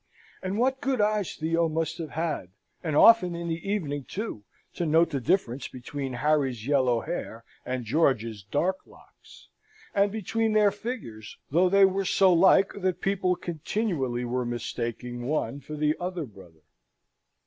And what good eyes Theo must have had and often in the evening, too to note the difference between Harry's yellow hair and George's dark locks and between their figures, though they were so like that people continually were mistaking one for the other brother.